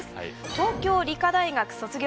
東京理科大学卒業。